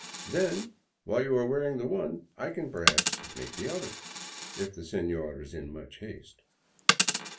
Then, while you are wearing the one, I can perhaps make the other, if the sefior is in such haste."